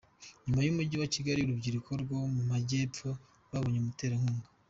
Nyuma y’umujyi wa Kigali, urubyiruko rwo mu Majyepfo rwabonye umuterankunga